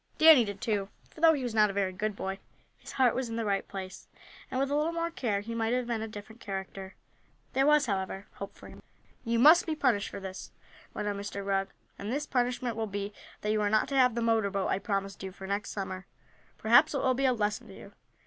Danny did, too, for though he was not a very good boy, his heart was in the right place, and with a little more care he might have been a different character. There was, however, hope for him. "You must be punished for this," went on Mr. Rugg, "and this punishment will be that you are not to have the motor boat I promised you for next Summer. Perhaps it will be a lesson to you."